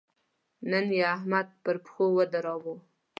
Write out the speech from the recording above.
نن يې احمد پر پښو ودراوو.